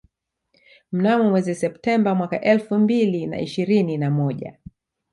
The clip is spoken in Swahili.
Mnamo mwezi Septemba mwaka elfu mbili na ishirini na moja